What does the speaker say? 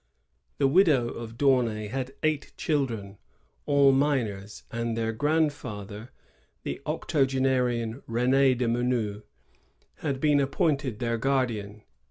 The widow of D'Aunay had eight children, all minors; and their grandfather, the octogenarian Ren^ de Menou, had been appointed their guardian.